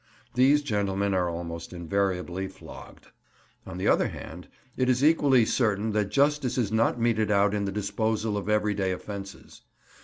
These gentlemen are almost invariably flogged. On the other hand, it is equally certain that justice is not meted out in the disposal of everyday offences.